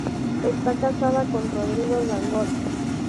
Esta casada con Rodrigo Dangond.